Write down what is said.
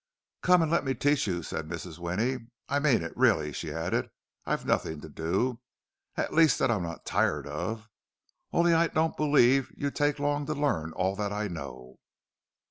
"Come and let me teach you," said Mrs. Winnie. "I mean it, really," she added. "I've nothing to do—at least that I'm not tired of. Only I don't believe you'd take long to learn all that I know."